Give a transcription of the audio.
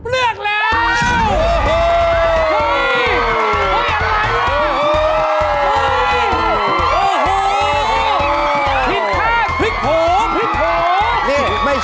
เมื่อมีสิ่งที่ให้เลือก